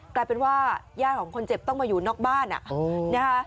กลายเป็นว่าญาติของคนเจ็บต้องมาอยู่นอกบ้านนะคะ